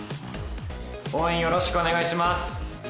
応援よろしくお願いします！